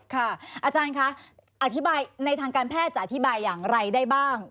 อาจารย์คะอธิบายในทางการแพทย์จะอธิบายอย่างไรได้บ้าง